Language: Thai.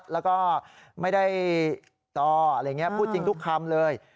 แล้วก็ไม่ได้ต่ออะไรอย่างนี้พูดจริงทุกคำเลย